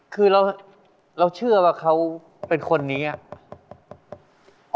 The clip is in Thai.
คือเราเชื่อว่าเขาเป็นคนนี้อะ